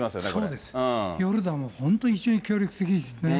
ヨルダンは本当に非常に協力的ですよね。